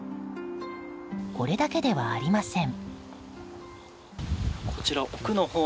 これだけではありません。